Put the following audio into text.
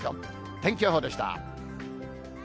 天気予報でした。